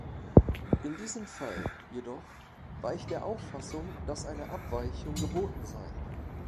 In diesem Fall jedoch war ich der Auffassung, dass eine Abweichung geboten sei.